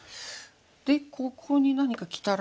でここに何かきたら？